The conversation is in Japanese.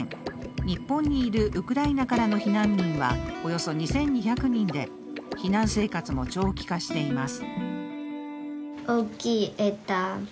日本にいるウクライナからの避難民はおよそ２２００人で、避難生活も長期化しています。